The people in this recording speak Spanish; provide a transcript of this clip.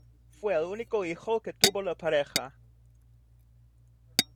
Fue el único hijo que tuvo la pareja.